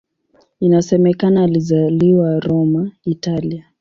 Inasemekana alizaliwa Roma, Italia.